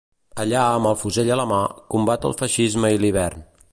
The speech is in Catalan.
Allà, amb el fusell a la mà, combat el feixisme i l’hivern.